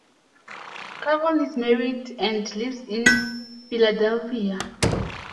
Carroll is married and lives in Philadelphia.